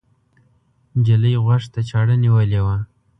نجلۍ غوږ ته چاړه نیولې وه.